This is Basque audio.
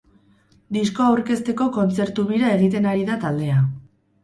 Diskoa aurkezteko kontzertu-bira egiten ari da taldea.